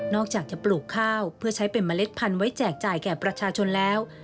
อกจากจะปลูกข้าวเพื่อใช้เป็นเมล็ดพันธุ์ไว้แจกจ่ายแก่ประชาชนแล้ว